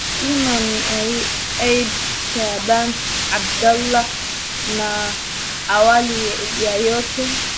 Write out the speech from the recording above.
imi ni abi shaban abdala na awali ya yote